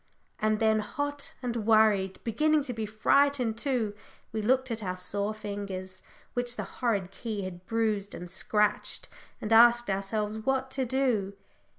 And then, hot and worried, beginning to be frightened too, we looked at our sore fingers, which the horrid key had bruised and scratched, and asked ourselves what to do.